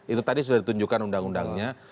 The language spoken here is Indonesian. itu tadi sudah ditunjukkan undang undangnya